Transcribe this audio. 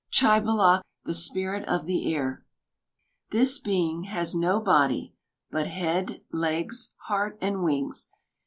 CHĪBALOCH, THE SPIRIT OF THE AIR This being has no body, but head, legs, heart, and wings.